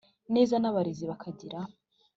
Neza n abarezi bakagira